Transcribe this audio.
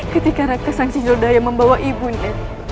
ketika raka sancang lodaya membawa ibunya